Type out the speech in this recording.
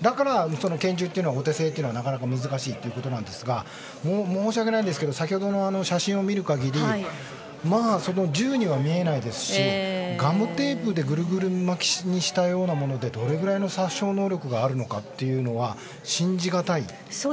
だから拳銃というのはお手製はなかなか難しいということなんですが申し訳ないですが先ほどの写真を見る限り銃には見えないですしガムテープでぐるぐる巻きにしたようなものでどれぐらいの殺傷能力があるのかというのは信じがたい。